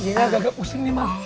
iya enggak agak agak pusing nih mak